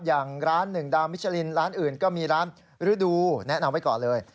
อย่างร้านหนึ่งดาวมิชลินร้านอื่นก็มีร้านฤดูแนะนำไว้ก่อนเลย